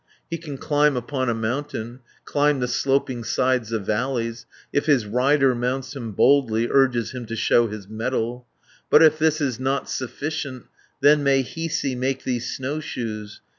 He can climb upon a mountain, Climb the sloping sides of valleys, If his rider mounts him boldly, Urges him to show his mettle. 460 "But if this is not sufficient, Then may Hiisi make thee snowshoes.